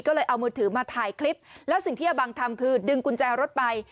ก็เลยเอามือถือมาถ่ายคลิปแล้วสิ่งที่อาบังทำคือดึงกุญแจรถไป